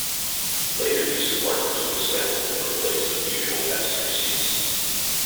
Later, these compartments were dismantled and replaced with the usual passenger seats.